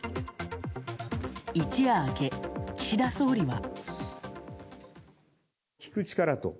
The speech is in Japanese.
一夜明け、岸田総理は。